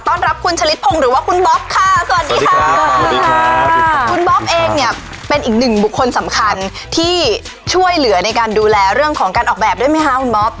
รับคุณชะลิดพงศ์หรือว่าคุณบ๊อบค่ะสวัสดีค่ะสวัสดีค่ะคุณบ๊อบเองเนี่ยเป็นอีกหนึ่งบุคคลสำคัญที่ช่วยเหลือในการดูแลเรื่องของการออกแบบด้วยไหมคะคุณบ๊อบ